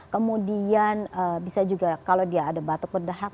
kemudian bisa juga kalau dia ada batuk berdehak